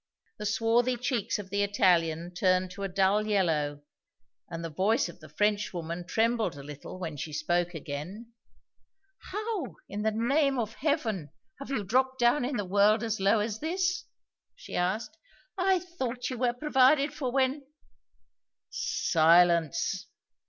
The swarthy cheeks of the Italian turned to a dull yellow, and the voice of the Frenchwoman trembled a little when she spoke again. "How, in the name of Heaven, have you dropped down in the world as low as this?" she asked. "I thought you were provided for when " "Silence!"